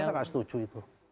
saya gak setuju itu